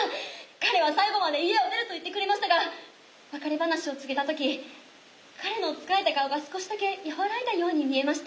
彼は最後まで家を出ると言ってくれましたが別れ話を告げた時彼の疲れた顔が少しだけ和らいだように見えました。